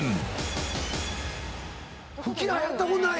吹き矢やったことない？